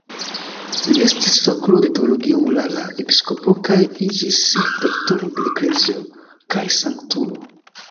Li estis fakulo de teologio morala, episkopo kaj iĝis Doktoro de eklezio kaj sanktulo.